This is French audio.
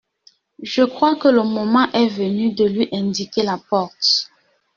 Je crois que le moment est venu de lui indiquer la porte…